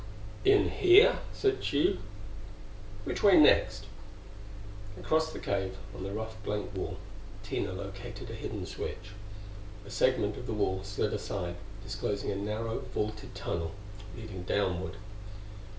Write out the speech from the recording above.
"In here?" said Tugh. "Which way next?" Across the cave, on the rough blank wall, Tina located a hidden switch. A segment of the wall slid aside, disclosing a narrow, vaulted tunnel leading downward.